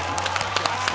きました！